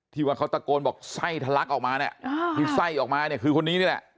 ว่าเขาตะโกนบอกไส้ทะลักออกมาเนี่ยที่ไส้ออกมาเนี่ยคือคนนี้นี่แหละ